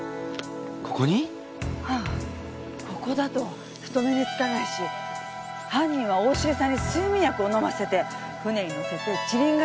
ここだと人目につかないし犯人は大重さんに睡眠薬を飲ませて船に乗せて知林ヶ